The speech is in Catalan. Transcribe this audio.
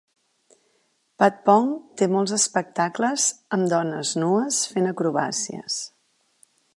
Patpong té molts espectacles amb dones nues fent acrobàcies.